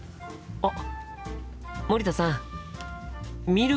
あっ。